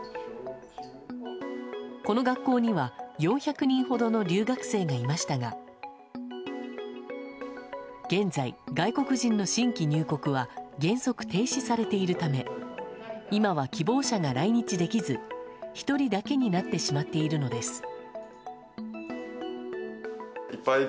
この学校には、４００人ほどの留学生がいましたが現在、外国人の新規入国は原則停止されているため今は希望者が来日できず１人だけになってしまっているのです。